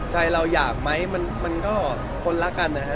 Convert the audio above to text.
พี่พอร์ตค่ะแล้วอย่างนี้ตอนนี้เห็นพี่พอร์ตทานสาวใหม่